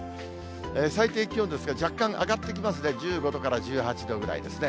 最低気温ですが、若干、上がってきますね、１５度から１８度ぐらいですね。